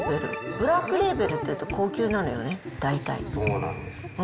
ブラックレーベルっていうと高級そうなんです。